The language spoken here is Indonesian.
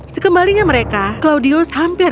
sekembalinya mereka claudius hampir